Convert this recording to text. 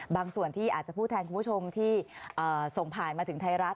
บางส่วนที่อาจจะพูดแทนคุณผู้ชมที่ส่งผ่านมาถึงไทยรัฐ